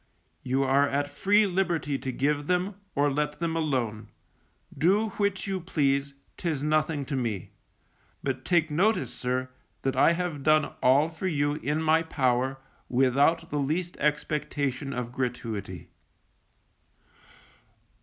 You are at free liberty to give them, or let them alone; do which you please, 'tis nothing to me; but take notice, sir, that I have done all for you in my power, without the least expectation of gratuity.